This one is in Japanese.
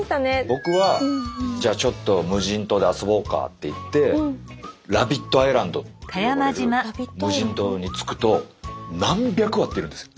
僕はじゃあちょっと無人島で遊ぼうかっていってラビットアイランドって呼ばれる無人島に着くと何百羽っているんですよ。